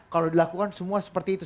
kalau dilakukan semua seperti itu